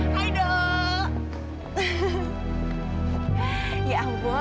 jadi edo gak mau chyer ver